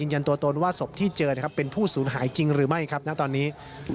เพื่อทำการยืนยันตัวตนว่าศพที่เจอเป็นผู้สูญหายจริงหรือไม่ครับณตอนนี้